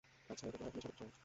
আচ্ছা, এটা করার এখনই সঠিক সময়।